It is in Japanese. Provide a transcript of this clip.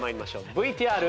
ＶＴＲ。